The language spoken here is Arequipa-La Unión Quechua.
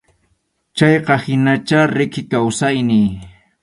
Chayqa hinachá riki kawsayniy.